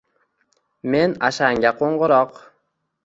Men Ashanga qo'ng'iroq